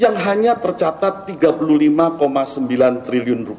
yang hanya tercatat rp tiga puluh lima sembilan triliun